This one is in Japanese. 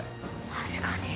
確かに。